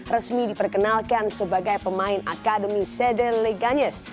resmi diperkenalkan sebagai pemain akademi cd leganes